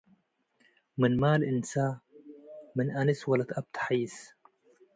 ምን ማል እንሰ፡ ምን አንስ ወለት አብ ተሐይስ።